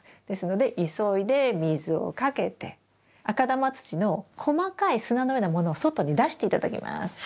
ですので急いで水をかけて赤玉土の細かい砂のようなものを外に出して頂きます。